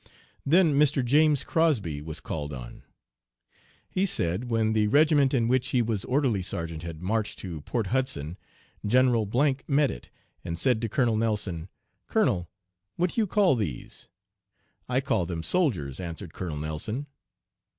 "Then Mr. James Crosby was called on. He said when the regiment in which he was orderly sergeant had marched to Port Hudson, General met it, and said to Colonel Nelson: 'Colonel, what do you call these?' 'I call them soldiers,' answered Colonel Nelson.